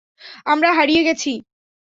আমরা হারিয়ে গেছি!